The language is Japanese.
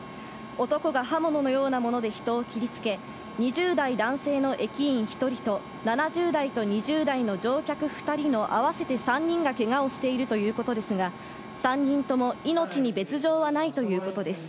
男が刃物のようなもので人を切りつけ、２０代男性の駅員１人と、７０代と２０代の乗客２人の合わせて３人がけがをしているということですが、３人とも命に別条はないということです。